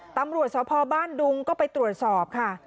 ตำรวจสพบ้านดุงก็ไปตรวจสอบค่ะ